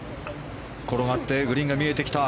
転がってグリーンが見えてきた。